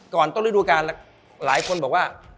ก่อนต้นฤดูการหลายคนบอกว่า